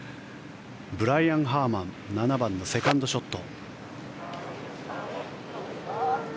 ブライアン・ハーマン７番のセカンドショット。